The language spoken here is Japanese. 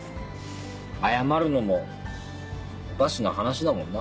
謝るのもおかしな話だもんな。